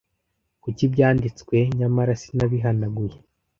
Ku byanditswe, nyamara sinabihanaguye